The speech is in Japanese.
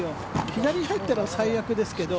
左に入ったら最悪ですけど。